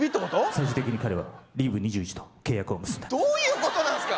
最終的に彼はリーブ２１と契約を結んだどういうことなんすか？